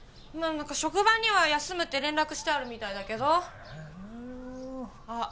職場には休むって連絡してあるみたいだけどああ